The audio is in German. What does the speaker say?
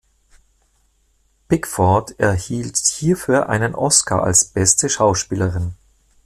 Pickford erhielt hierfür einen Oscar als beste Schauspielerin.